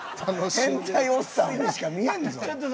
変態おっさんにしか見えんぞ。